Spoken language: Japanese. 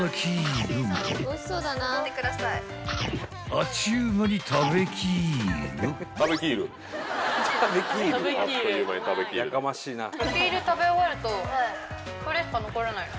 ［あっちゅう間に食べキール］・キール食べ終わるとこれしか残らないの。